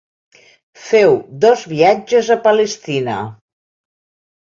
Feu dos viatges a Palestina.